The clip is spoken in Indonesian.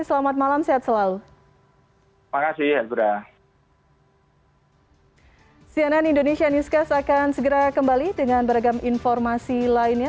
selamat malam sehat selalu